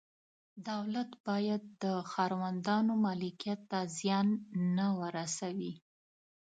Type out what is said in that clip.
دولت باید د ښاروندانو ملکیت ته زیان نه ورسوي.